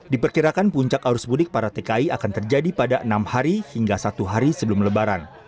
diperkirakan puncak arus mudik para tki akan terjadi pada enam hari hingga satu hari sebelum lebaran